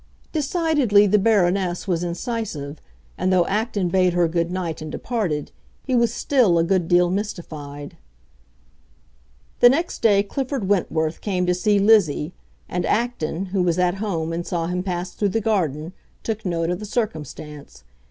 Decidedly, the Baroness was incisive; and though Acton bade her good night and departed, he was still a good deal mystified. The next day Clifford Wentworth came to see Lizzie, and Acton, who was at home and saw him pass through the garden, took note of the circumstance.